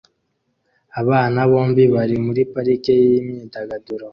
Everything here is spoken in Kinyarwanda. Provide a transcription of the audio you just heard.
Abana bombi bari muri parike yimyidagaduro